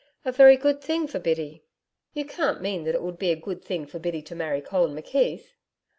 A very good thing for Biddy.' 'You can't mean that it would be a good thing for Biddy to marry Colin McKeith?'